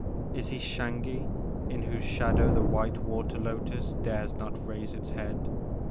Is he Xangi in whose shadow the white water lotus dares not raise its head